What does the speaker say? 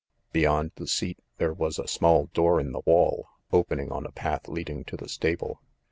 j Beyond the seat there was a small door in the wall, opening on a path leading to the stable.